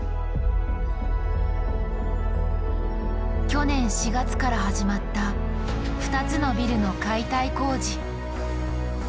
去年４月から始まった２つのビルの解体工事。